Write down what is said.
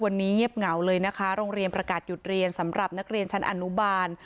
วันนี้เงียบเหงาเลยนะคะโรงเรียนประกาศหยุดเรียนสำหรับนักเรียนชั้นอนุบาล